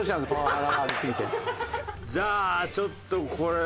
じゃあちょっとこれ。